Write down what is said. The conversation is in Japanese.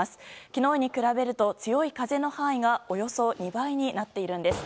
昨日に比べると強い風の範囲がおよそ２倍になっています。